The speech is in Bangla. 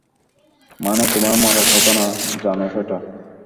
মানে, তোমার মরার কথা না, জানো সেটা?